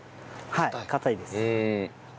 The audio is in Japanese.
はい硬いです。